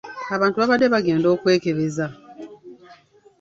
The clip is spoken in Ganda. Abantu babadde bagenda okwekebeza.